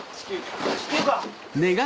地球か。